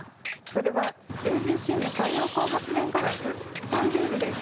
それはＡＧＣの太陽光発電ガラスサンジュールです。